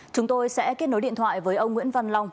chúng tôi sẽ kết nối điện thoại với ông nguyễn văn long